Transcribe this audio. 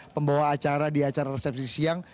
pembawa acara di acara resepsi siang